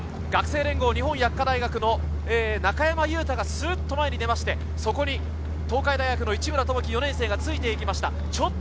学生連合、日本薬科大学の中山雄太がすっと前に出まして、そこに東海大学１年生がついていきました。